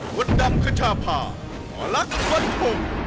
วัดดำขจาภาอลักษมณฑง